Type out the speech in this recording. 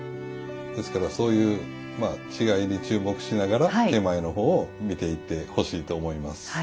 ですからそういう違いに注目しながら点前の方を見ていってほしいと思います。